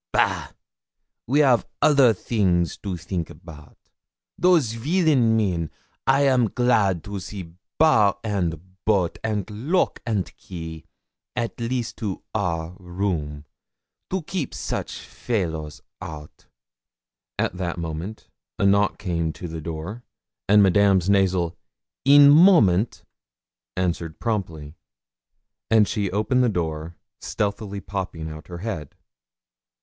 Bah! we av other theeng to theenk about. Those villain men! I am glad to see bar and bolt, and lock and key, at least, to our room, to keep soche faylows out!' At that moment a knock came to the door, and Madame's nasal 'in moment' answered promptly, and she opened the door, stealthily popping out her head.